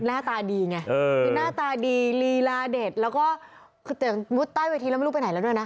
หน้าตาดีไงคือหน้าตาดีลีลาเด็ดแล้วก็คือแต่งมุดใต้เวทีแล้วไม่รู้ไปไหนแล้วด้วยนะ